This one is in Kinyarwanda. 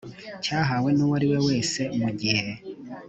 cyahawe n uwo ari we wese mu gihe